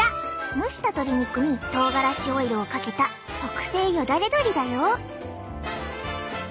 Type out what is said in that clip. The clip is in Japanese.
蒸した鶏肉にとうがらしオイルをかけた特製よだれどりだよ！